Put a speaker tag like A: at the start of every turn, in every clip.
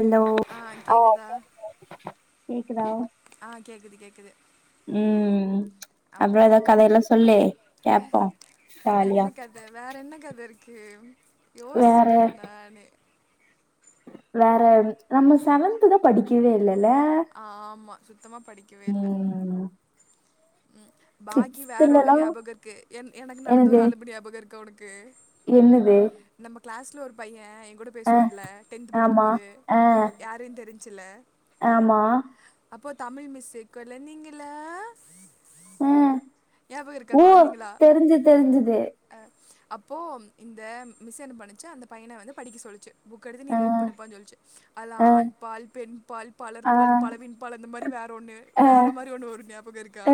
A: Hello
B: ஆ கேட்குதா
A: கேக்குதா
B: ஆ கேக்குது கேக்குது
A: ம் ம் அப்றோ எதோ கதையெல்லா சொல்லு கேப்போ ஜாலியா
B: என்ன கதை வேற என்ன கத இருக்கு
A: வேற
B: யோசிச்சுட்டு இருக்க நானே
A: வேற நம்ம செவன்து தா படிக் [unintelligible] இல்லல்ல
B: ஆமாம் சுத்தமாக
A: ம்
B: ம் பாக்கி வேற ஒண்ணு
A: சிக்ஸ்த்லல்லா
B: ஞாபக இருக்கு என் எனக்கு நடந்த ஒரு
A: என்னது
B: அலபு ஞாபக இருக்கா உனக்கு
A: என்னது
B: நம்ம கிளாஸ்ல ஒரு பைய எ கூட
A: ஆ
B: பேசுவான்ல டென்த்
A: ஆமா
B: படிக்கும்போது
A: ஆ
B: யாருன் தெரிஞ்சுல
A: ஆமா
B: அப்போ தமிழ் மிஸ்ஸு குழந்தைகள
A: ம் ஓ
B: குழந்தைங்களா
A: தெரிஞ்சுது தெரிஞ்சுது
B: அப்போ இந்த மிஸ் என்ன பண்ணுச்சு அந்த பையன வந்து படிக்க சொல்லுச்சு புக் எடுத்து நீ
A: ஆ
B: ரீட் பண்ணுப்பான்னு சொல்ச்சு அதுல
A: ஆ
B: ஆண் பால் பெண் பால் பலர்
A: ஆ
B: பால் பழவின் பால் அந்த மாரி வேற ஒன்னு
A: ஆ
B: வேற மாரி ஒண்ணு வருமே ஞாபகோ இருக்கா
A: ஆ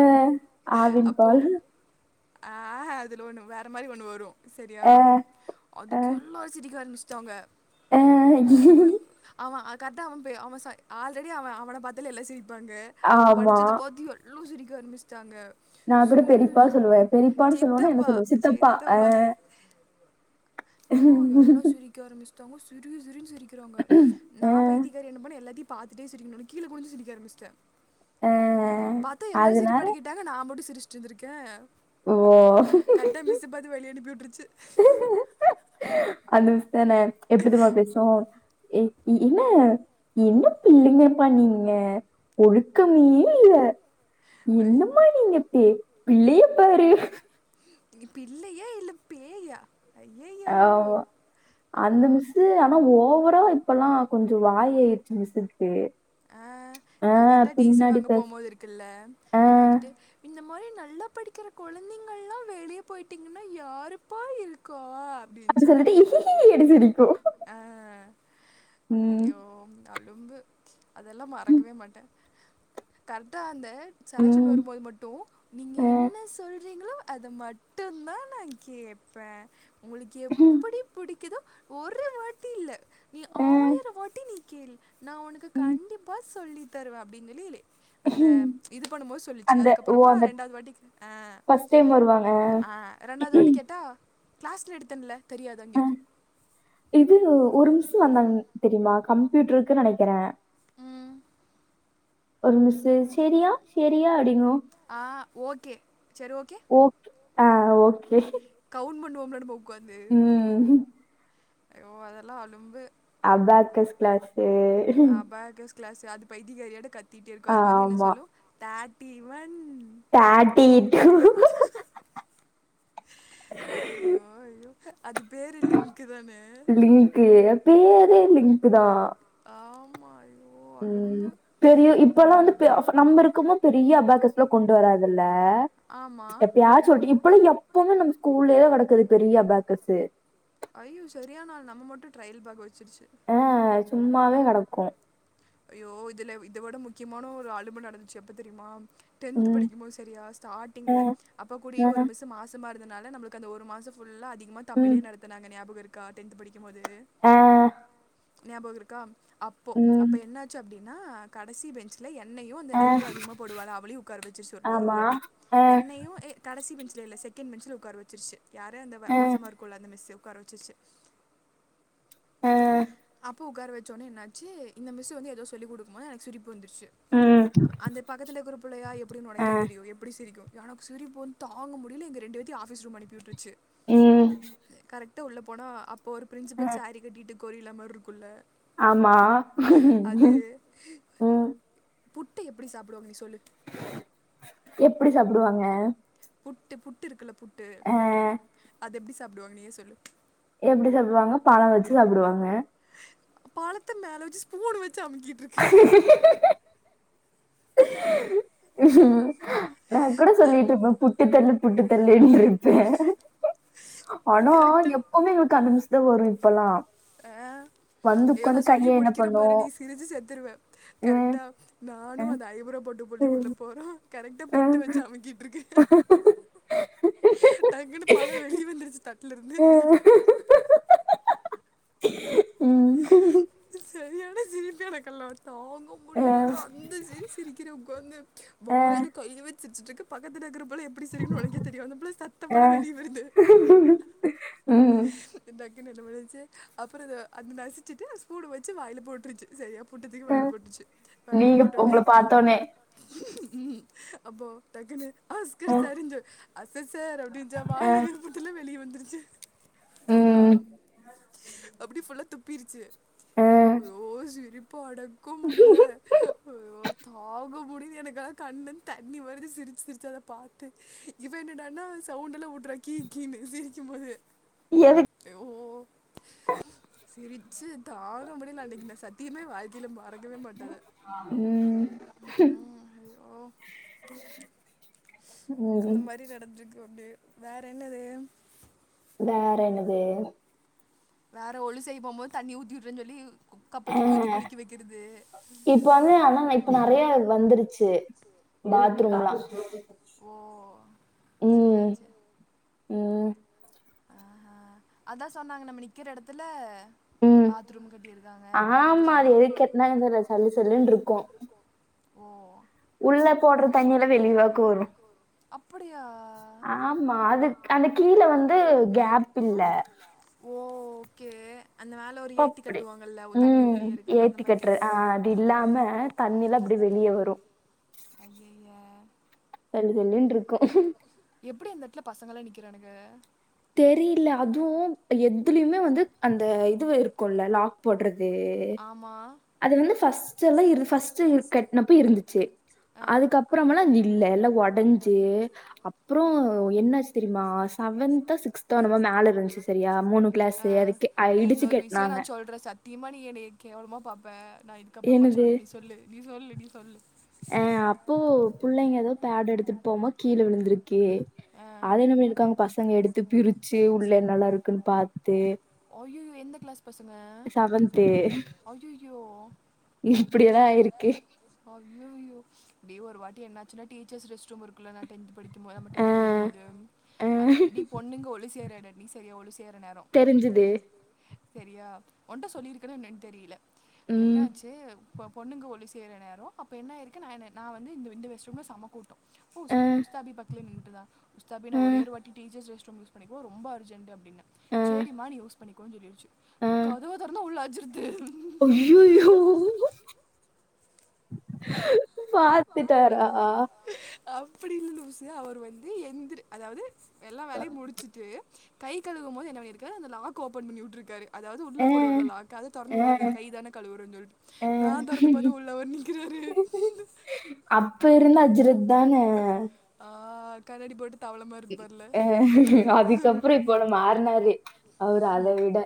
A: ஆவின்
B: அப்போ
A: பால்
B: ஆஹ அதுல ஒண்ணு வேற மாரி ஒண்ணு வரு சரியா
A: ஆ ஆ
B: அதுக்கு எல்லா சிரிக்க ஆரம்பிச்டாங்க
A: ஆ
B: உள் அவ அ கர்ட்டா அவ பெ அவன் சை ஆல்ரெடி அவ அவன பத்தாலே எல்லா சிரிப்பாங்க அவ
A: ஆமா
B: படிச்சது பாத்து எல் லு சிரிக்க ஆரமிச்சிட்டாங்க
A: நா கூட பெரிப்பா சொல்லுவ பெரிப்பான்னு சொல்லுவேன்னா என்ன சொல்லுவே சித்தப்பா அ
B: அப்போ எல்லா சிரிக்க ஆரம்பிச்டாங்க சிரி சிரினு சிரிக்கிறாங்க நா
A: ஆ
B: பைத்தியகாரி என்னமோ நா எல்லாத்தையு பாத்துட்டே சிரிக்கணுனு கீழ குனுஞ்சி சிரிக்க ஆரம்பிச்ட்ட
A: ஆ
B: பாத்தா எல்லாரு
A: அதனால
B: சிரிப்படக்கிட்டாங்க நா மட்டு சிரிச்சிட்டு இருந்திருக்கே
A: ஓ
B: கர்ட்டா மிஸ் பாத்து வெளிய அனுப்பி உட்ருச்சு
A: அந்த மிஸ் தானே எப்டி தெரிமா பேசு ஏ இ என்ன என்ன பிள்ளைங்கப்பா நீங்க ஒழுக்கமே இல்ல
B: ஐ,
A: என்னம்மா நீங்க பே பிள்ளைய பாரு
B: நீங்கெ பிள்ளையா இல்ல பேயா ஐயயோ அல்லா
A: து ஆனா ஓவரா இப்பல்லா கொஞ்சொ வாய் ஆயிர்ச்சு மிஸ்ஸுக்கு
B: அ
A: ஆ
B: நா கரட்டா டி சி
A: பின்னாடி
B: வாங்க
A: பேச
B: போம்போது இருக்குல்ல என்ன
A: ஆ
B: வந்துட்டு இந்த மாரி நல்லா படிக்கிற கொழந்தைங்கள்லா வெளிய பொயிட்டிங்கன்னா யாருப்பா இருக் கா அப்டி
A: அப்டி சொல்லிட்டு இஹிஹி அப்டி சிரிக்கு
B: அ ஐயோ அழும்பு அதெல்லா மறக்கவே மாட்டே கரெட்டா அந்த செலெக்ஷன்
A: ம்,
B: வரும்போது மட்டு நீங்க
A: அஹ்,
B: என்ன சொல்றீங்களோ அத மட்டுந் தா நா கேட்பே உங்களுக்கு எப்புடி புடிக்குதோ ஒரு வாட்டி இல்ல நீ
A: அஹ்,
B: ஆயர வாட்டி நீ கேள் நா ஒனக்கு
A: ம்.
B: கண்டிப்பா சொல்லி தருவே அப்டின்னு லீலே அந்த இது பண்ணும் போது சொல்லுச்சு
A: அந்த ஓ
B: அதுக்கப்பறமா
A: அந்த
B: ரெண்டாது வாட்டி அ
A: ஃபர்ஸ்ட் டைம் வருவாங்க
B: அ ரெண்டாது வாட்டி கேட்டா கிளாஸ்ல எடுத்தன்ல தெரியாதான்
A: அஹ்,
B: கேக்கு
A: இது ஒரு மிஸ்ஸு வந்தாங்க தெரியுமா கம்ப்யூட்ருக்கு நெனைக்கிறே
B: ம்
A: ஒரு மிஸ்ஸு சேரியா சேரியா அப்டிங்கு
B: ஆ ஓகே செரி ஓகே
A: ஓக் ஆ ஓகே
B: கவுன்ட் பண்ணுவோம்ல நம்ம உப்
A: ம்
B: ஐயோ அதெல்லா அலும்பு
A: அபாக்கஸ் கிளாஸ்ஸு
B: அபாக்கஸ் கிளாஸ் அது பைத்தியகாரியாட்ட கத்திட்டே இருக்கு அது வந்து என்ன
A: ஆமா
B: சொல்லு தாட்டிவொன்
A: தாட்டிட்டூ
B: ஐயோ ஐயோ அது பேரு லிங்க்கு தானே [inaudible]
A: லிங்க்கு பேரே லிங்க் தான்
B: ஆமா
A: ம் பெரிய இப்பல்லா வந்து பெ அஃ நம்ம இருக்கமோ பெரிய அபாக்கஸ்ல கொண்டு வராதுல்ல
B: ஆமா
A: எப்பயாச்சு ஒருடி இப்பல்லா எப்பவுமே நம்ம ஸ்கூல்லயே கெடக்குது பெரிய அபாக்கஸு
B: ஐயோ சரியான ஆள் நம்ம மட்டு ட்ரயல் பாக்க வச்சிருச்சு
A: அ சும்மாவே கெடக்கு
B: ஐயோ இதுல இதவுட முக்கியமான ஒரு ஆளும்பு நடந்துச்சு எப்ப தெரியுமா டென்த்
A: ம்
B: படிக்கும்போது செரியா
A: ஆ
B: ஸ்டார்டிங்ல்ல அப்ப கூடிய
A: ஆ
B: ஒரு மிஸு மாச ம்மா இருந்தனால நம்மளுக்கு அந்த ஒரு மாசொ ஃபுல்லா அதிகமா தமிழே
A: ம்
B: நடத்துனாங்க ஞாபகொ இரு கா டென்த் படிக்கம்போது
A: ஆ
B: ஞாபகொ இருக்கா அப்போ
A: ம்
B: அப்ப என்னாச்சு அப்டினா கடசி பெஞ்சுல என்னயு அந்த
A: ஆ
B: ஐப்ரோ அதிகமா போடுவாள அவளயு உக்கார வச்சிர்ச்சு ஒரு
A: ஆமா
B: வாட்டி
A: ஆ
B: என்னயு ஏ கடசி பெஞ்ச்ல இல்ல செகெண்ட் பெஞ்சுல உக்கார வச்சிர்ச்சு யார அந்தவ
A: ஆ
B: மாசமா இருக்குல்ல அந்த மிஸ்ஸு உக்கார வச்சிர்ச்சு
A: அ
B: அப்போ உக்கார வச்சோன்னே என்னாச்சு இந்த மிஸ்ஸு வந்து ஏதோ சொல்லி குடுக் போது எனக்கு சிரிப்பு வந்துருச்சு
A: ம்
B: அந்த பக்கத்துல இருக்கற புள்ளயா எப்டின்னு
A: ஆ
B: ஒனக்கே தெரியு எப்டி சிரிக்கு எனக்கு சிரிப்பு வந்து தாங்க முடில எங்க ரெண்டு பேத்தயு ஆஃபீஸ் ரூம் அனுப்பி உட்டுர்ச்சு
A: ம்
B: த்து உள்ளே போனா அப்போ ஒரு
A: ஆ
B: பிரின்சிபல் சாரி கட்டிட்டு கொரில்லா மாரி இருக்குல்ல
A: ஆமா
B: அது
A: ம்
B: புட்டு எப்டி சாப்டுவாங்க நீ சொல்லு
A: எப்டி சாப்டுவாங்க
B: புட்டு புட்டு இருக்குல்ல புட்டு
A: ஆ
B: அது எப்டி சாப்டுவாங்க நீயே சொல்லு
A: எப்டி சாப்டுவாங்க பழ வச்சு சாப்டுவாங்க
B: பழத்த மேல வச்சு ஸ்பூன் வச்சு அமுக்கிட்டுர்க்கு
A: கூடு சொல்லிட்டு ருப்பே புட்டுத்தர்ல புட்டுத்தரலைன்ட்டு ஆனா
B: கரெக்டாக
A: எப்பமே எங்களுக்கு அந்த மிஸ்தா வரு இப்பல்லா
B: ஆ
A: வந்து
B: ஏ நா
A: உக்காந்து
B: சொல்லி
A: கைய என்ன
B: முடிக்கிற
A: பண்ணு
B: பாரு நீ சிரிச்சி செத்துருவே
A: ம்
B: கரெக்டா நானு
A: ம்
B: அந்த ஐபுரோ போட்ட புள்ளயு உள்ள போறோ கரெக்டா புட்டு
A: ம்
B: வச்சு அமைக்கிட்டு இருக்கு டக்குன்னு பழொ வெளியவந்துருச்சு தட்லருந்து
A: ம் ம்
B: சரியான சிரிப்பபெனக்கெல்லா தாங்க
A: அ
B: முடியிலடா அந்த சிரி சிரிக்கிற உக்காந்து
A: அ
B: வாயில கைய வச்சி சிரிச்சுட்டுருக்கே பக்கத்து இருக்ற புள்ளய எப்டி சிரிக்குனு ஒனக்கே தெரியு அந்த புள்ளே சத்தமெல்லா வெளிய வருது
A: ஆ
B: டக்குனு என்ன பன்னிடுச்சு அப்றோ அத நசிச்சிட்டு ஸ்பூன் வச்சு வாயில போட்ருச்சு சரியா புட்டத்தூக்கி
A: அ
B: வாயில போட்டுச்சு வாய்ல
A: நீங்க
B: போட்டோனே
A: உங்கள பாத்தோனே
B: அப்போ டக்குனு
A: அ
B: ஆஸ்கர் சரிஞ்சோ அச ச சார் அப்டின்ச்சா
A: அ
B: வாயிலஇருக்கற புட்டெல்லா வெளியே வந்துருச்சு
A: ம்
B: அப்டியே ஃபுல்லா துப்பிருச்சு
A: அ
B: அய்யோ சிரிப்ப அடக்க முடில ஐய்யோ தாங்க முடில எனக்கா கண்லந்து தண்ணி வருது சிரிச்சு சிரிச்சி அத பா ட்டு இவ என்னடானா சவுண்ட்லா வுடுறா கீ கீனு சிரிக்கும் போது
A: எதுக்
B: அய்யோ சிரிச்சு தாங்க முடியல அன்னக்கி நா சத்தியமா ஏ வாழ்க்கைல மறக்கவே மாட்டே அத
A: ம்
B: ம் ம் அந்த
A: ம்
B: மாறி நடந்திருக்கு அப்டியே வேற என்னது
A: வேற என்னது
B: வேற ஒழு செய்ய போ போது தண்ணிய ஊத்தி வுடுறனு சொல்லி அப்பத்திக்கி ஊத்தி
A: அஹ்
B: குளிக்க வைக்கிறது ஏ
A: இப்ப வந்து ஆனா இப்ப நெறையா வந்துருச்சு பாத்ரூம்லா
B: ஓ சேரி
A: ம்
B: சேரி
A: ம்
B: ஆஹா அதா சொன்னாங்க நம்ம நிக்கிற எடத்துல
A: உம்
B: பாத்ரூம் கட்டிருக்காங்க அப்டின்சொல்லி
A: ஆமா அது
B: சொன்னாங்க
A: எதுக்கு கட்டினாங்க தெரியல சல்லு சல்லுன்னு இருக்கும்
B: ஓ
A: உள்ள போடுற தண்ணியல்லா வெளிவாக்கு வரு
B: அப்படியா
A: ஆமா அதுக் அந்த கீழ வந்து கேப் இல்ல
B: ஓ ஓகே அந்த மேல ஒரு ஏத்தி
A: பப்டி
B: கட்டுவாங்கல்ல ஒ- தண்ணி
A: ம்
B: உள்ளயே இருக்கு அந்த
A: ஏத்தி
B: மாரி
A: கட்டுறது
B: கட்ல
A: ஆ அது இல்லாம தண்ணில்லா அப்டி வெளிய வரு
B: அய்யய்ய
A: சல்லு சல்லுன்ருக்கு
B: எப்டி அந்த எடத்துல பசங்கல்லா நிக்கிறானுக
A: தெரில அதுவு எதுலயுமே வந்து அந்த இது இருக்குல்ல லாக் போட்றது
B: ஆமா
A: அது வந்து ஃபஸ்ட்டெல்லா இரு ஃப்ஸ்ட்டு கட்னப்ப இருந்துச்சி
B: ஆ
A: அதுக்கப் பறமல்லா இங்க இல்ல எல்லா ஒடஞ்சி அப்பறோ என்னாச்சி தெரியுமா செவன்த் தோ சிக்ஸ்த்தோ என்னமோ மேல இருந்துச்சி சரியா மூணு கிளாஸ் அத கெ அத இடிச்சி கெட்னாங்க
B: தீகமா நீ என்னய கேவலமா பாப்ப நா இதுக்கப்பறமா
A: என்னது?
B: சொல்றே நீ சொல்லு நீ சொல்லு நீ சொல்லு
A: ஆ அப்போ புள்ளைங்க ஏதோ பேடு எடுத்துட்டு போம்போது கீழ விழுந்திருக்கு அத என்ன பண்ணிருக்காங்க பசங்க எடுத்து பிரிச்சி உள்ள என்னெல்லா இருக்குன்னு பாத்து
B: அய்யய்யோ எந்த கிளாஸ் பசங்க அய்யய்யோ
A: இப்டியெல்லா ஆயிருக்கு
B: அய்யய்யோ டே ஒரு வாட்டி என்னாச்சின்னா டீச்சர்ஸ் ரெஸ்ட் ரூம் இருக்குல்ல நா டென்த்து படிக்கும் போது நம்ம
A: ஆ,
B: டென்த்து படிக்கும்போது
A: ஆ
B: டி பொண்ணுங்க ஒழி செய்ற எடோ நீ சரியா ஒழி செய்ற நேரோ
A: தே
B: செரியா ஒன்ட்ட சொல்லிருக்கென என்னன்னு தெரியல
A: ம்.
B: என்னாச்சி அப்ப பொண்ணுங்க ஒழி செய்ற நேரோ அப்ப என்னாயிருக்கு நானு நா வந்து இந்த இந்த ரெஸ்ட் ரூம்ல செம கூட்டோ உ
A: அ,
B: உஸ்தாபி பக்கத்துலயே நின்னுட்ருந்தா உஸ்தாபி நா
A: அ,
B: ஒரே ஒரு வாட்டி டீச்சர்ஸ் ரெஸ்ட் ரூம் யூஸ் பண்ணிக்கவா ரொம்ப அர்ஜன்ட்டு அப்டின்னே
A: அ,
B: சேரிமா நீ யூஸ் பண்ணிக்கோன்னு சொல்லிருச்சி கதவு தொறந்தா உள்ள அஞ்ரித்
A: அய்யய்யோ பாத்துட்டார
B: அப்டில்ல லூசு அவர் வந்து எந்திர அதாவது எல்லா வேலையு முடிச்சிட்டு கை கழுவும்போது என்ன பண்ணிருக்காரு அந்த லாக் ஓபன் பண்ணி விட்ருக்காரு அதாவது உள்ள
A: ஆ,
B: போடுவோல்ல லாக்கு அத
A: ஆ,
B: தெறந்து விட்டுருக்காரு கை தான கழுவுறோ சொல்ட்டு
A: ஆ.
B: நா தெறந்து பாத்த உள்ள அவர் நிக்கிறாரு
A: அப்ப இருந்த அஜரத் தான
B: ஆ கண்ணாடி போட்டு தவள மாரி இருப்பாருல்ல
A: போட மாறுனாரு அவரு அத விட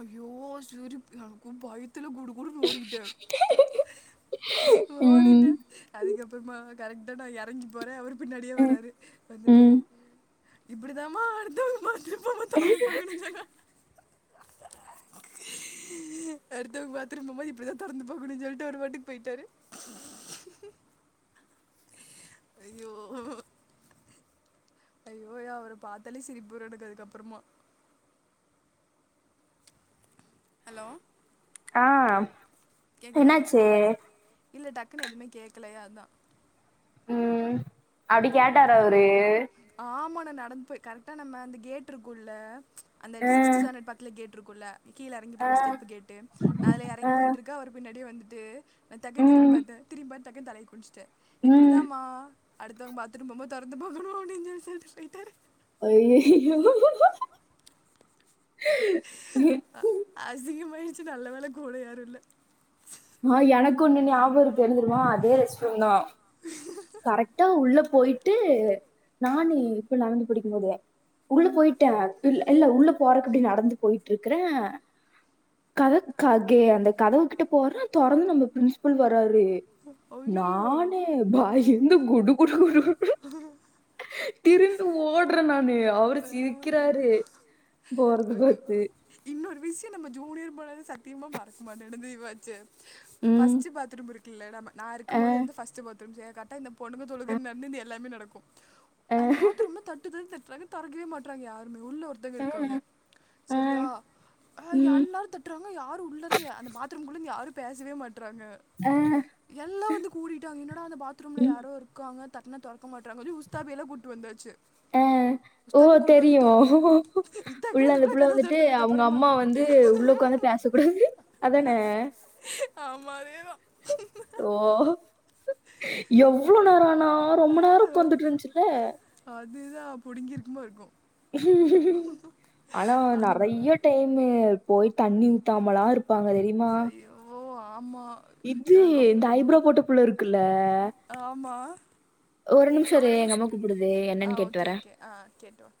B: அய்யோ சிரிப்பு எனக்கு பயத் துல குடு குடுன்னு ஓடிட்டே ஓடிட்டே
A: ம்.
B: அதுக்கப்பறமா கரெக்ட்டா நா எறங்கி போறே அவரு பின்னாடியே
A: ம்.
B: வர்றாரு வந்துட்டு
A: ம்.
B: இப்டிதாமா அடுத்தவங்க பாத்ரூம் போம்போது தெறந்துப்பாக்கனு சொன்னா அடுத்தவங்க பாத்ரூம் போம்போது இப்டிதா தெறந்து பாக்கணு சொல்ட்டு அவரு பாட்டுக்கு போயிட்டாரு அய்யோ அய்யோயா அவர பார்த்தாலே சிரிப்பு வரு எனக்கு அதுக்கு அப்புறமா ஹலோ
A: ஆ
B: கேக்குதா
A: என்னாச்சு?
B: இல்ல டக்குனு எதுமே கேட்கலைய அதா
A: ம் அப்டி
B: ஐயோ
A: கேட்டாற அவுரு
B: ஆமா நா நடந்து போயி கரெக்டா நம்ம அந்த கேட்டு இருக்குள்ள அந்த
A: அ,
B: சிக்ஸ்த் ஸ்டாண்டர்ட் பக்ல கேட் ருக்குல்ல கீழ இறங்கி
A: ஆ,
B: போற ஸ்டெப்பு கேட்டு நா அதல
A: ஆ.
B: இறங் போயிட்டுருக்க அவரு பின்னாடியே வந்துட்டு நா டக்குன் திரிம்
A: ம்.
B: பாத்த திரிம் பாத் டக்குன்னு தலைய குனிஞ்சுட்ட
A: ம்.
B: இப்படிதாம அடுத்தவங்க பாத்ரூம் போம் போது தொறந்து பாக்கணு அப்டின் சொல்ட்டு போய்ட்டாரு
A: ஐயையோ
B: அசிங்கமாயிருச்சு நல்ல வேல கூட யாரு இல்ல
A: அ எனக்கு ஒன்னு ஞாபகம் இருக்கு என்ன தெரிமா அதே ரெஸ்ட்ரூம் தா கரெக்டா உள்ள போயிட்டு நானு இப்ப லெவன்த்து படிக்கும்போது உள்ள போய்ட்ட இல்ல உள்ள போறக்கு இப்டி நடந்து போயிட்டுருக்கிற கத கத அந்த கதவுகிட்ட போற தொறந்து நம்ம பிரின்ஸ்பல் வராரு
B: ஐயோ
A: நானே பைய்ந்து குடு குடு குடு
B: ஹ
A: திரும்பி ஓட்ற நானு அவரு சிரிக்கிறாரு போறது
B: தெரியு
A: பாத்து
B: இன்னொரு விஷ்யோ நம்ம ஜூனியர் பண்ணது சத்தியமா மறக்க மாட்ட நடந்தி வச்ச
A: ம்
B: ஃபர்ஸ்ட்டு பாத்ரூம் இருக்குல நம்ம நா
A: ஆ
B: இருக்கும் போது வந்து ஃபர்ஸ்ட்டு பாத்ரூம் சே கரெக்ட்டா இந்த பொண்ணுங்க
A: ஆ
B: தொழுக [unintelligible] எல்லாமே நடக்கு
A: ஆ
B: அந்த பாத்ரூம்ல தட்டு தட்டி தட்றாங்க தொரக்கவே மாட்றாங்க யாருமே உள்ள ஒருத்தவுங்க
A: ஆ
B: இருக்காங்க
A: ஆ
B: செரியா அ
A: ம்
B: எல்லா தட் றாங்க யாரு உள்ள இருந்து அந்த பாத்ரூம்குள்ள இருந்து யாரு பேசவே மாட்றாங்க
A: அ
B: எல்லா வந்து கூடிட்டாங்க என்னடா அந்த பாத்ரூம்ல
A: ம்
B: யாரோ இருக்காங்க தட்னா தொறக்க மாட்றாங்க வந்து உஸ்தாபிய எல்லா கூட்டு வந்தாச்சு
A: ஆ ஓ
B: உஸ்தாபி கூட்டு
A: தெரியு
B: வந்துட்டோம்
A: உள்ள அந்த
B: தகுந்ததுக்குள்ள
A: புள்ள
B: கதை
A: வந்துட்டு
B: திறந்ததுக்கு
A: அவுங்க
B: அப்புறமா
A: அம்மா வந்து உள்ள உக்காந்து பேசக்க கூடாது அதான
B: ஆமா அதேதா
A: ஓ எவ் எவ்ளோ நேரோ ஆனா ரொம்ப நேர உட்காந்துட்டு இருந்துச்சுல
B: அதுதா புடுங்கியிருக்கும்மா இருக்கு
A: ஆனா
B: அந்த
A: நறைய டைமு போய் தண்ணி ஊத்தாமலா இருப்பாங்க தெரி
B: அய்யோ ஆமா
A: இது
B: எனக்கு அப்-
A: இந்த ஐப்ரோ போட்டபுள்ள இருக்குல்ல
B: ஆமா
A: ஒரு நிம்ஷோ இரு எங்க அம்மா கூப்புடுது
B: ஆ
A: என்னன் கேட்டு
B: ஓகே
A: வர
B: ஓகே ஆ கேட்டோம்